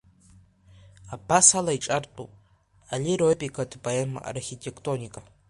Абасала еиҿартәуп алиро-епикатә поема архитектоника.